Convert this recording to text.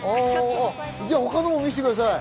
他のも見せてください。